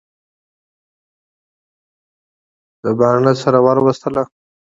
ده باڼه سره ور وستله.